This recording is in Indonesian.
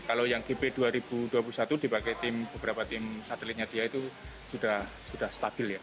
kalau yang gp dua ribu dua puluh satu dipakai tim beberapa tim satelitnya dia itu sudah stabil ya